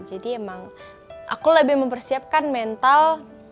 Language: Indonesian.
emang aku lebih mempersiapkan mental